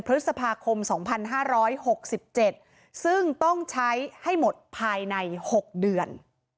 พฤษภาคมสองพันห้าร้อยหกสิบเจ็ดซึ่งต้องใช้ให้หมดภายในหกเดือน